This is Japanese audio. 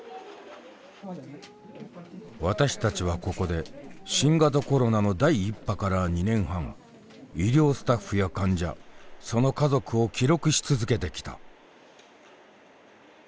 私たちはここで新型コロナの第１波から２年半医療スタッフや患者その家族を記録し続けてきた。